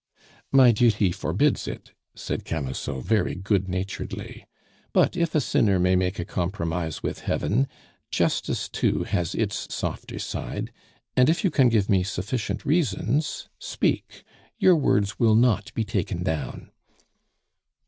"My duty forbids it," said Camusot very good naturedly; "but if a sinner may make a compromise with heaven, justice too has its softer side, and if you can give me sufficient reasons speak; your words will not be taken down."